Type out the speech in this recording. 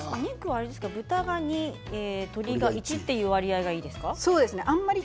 豚が２鶏が１という割合がいいですか？